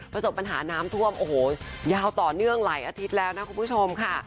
ประสบปัญหาน้ำท่วมโอ้โหยาวต่อเนื่องหลายอาทิตย์แล้วนะคุณผู้ชมค่ะ